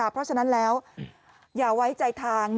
เพราะฉะนั้นแล้วอย่าไว้ใจทาง